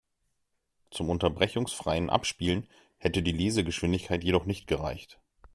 Zum unterbrechungsfreien Abspielen hätte die Lesegeschwindigkeit jedoch nicht gereicht.